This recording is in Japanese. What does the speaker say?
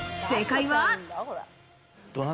正解は。